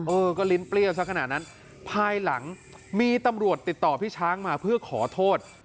เออก็ลิ้นเปรี้ยวสักขนาดนั้นภายหลังมีตำรวจติดต่อพี่ช้างมาเพื่อขอโทษ